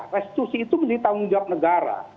restitusi itu menjadi tanggung jawab negara